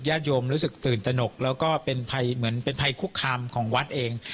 ญาติโยมรู้สึกตื่นตนกแล้วก็เป็นภัยเหมือนเป็นภัยคุกคามของวัดเอง